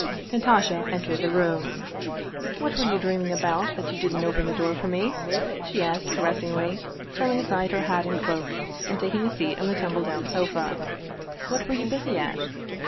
Natasha entered the room. 183 Russian Mystery Stories " What were you dreaming about that you didn't open the door for me?" she asked caressingly, throwing aside her hat and cloak, and taking a seat on the tumble down sofa. "What were you busy at?"